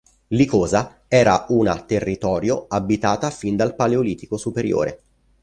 Licosa era una territorio abitata fin dal paleolitico superiore.